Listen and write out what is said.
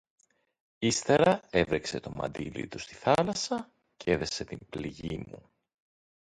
Ύστερα έβρεξε το μαντίλι του στη θάλασσα κι έδεσε την πληγή μου